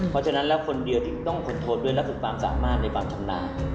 เพราะฉะนั้นแล้วคนเดียวที่ต้องคนทนด้วยและคือความสามารถในความชำนาญ